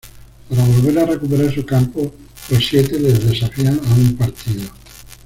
Para volver a recuperar su campo, los siete les desafían a un partido.